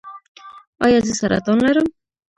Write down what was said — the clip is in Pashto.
ایا زه سرطان لرم؟